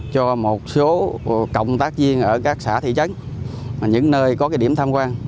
cho một số cộng tác viên ở các xã thị trấn những nơi có điểm tham quan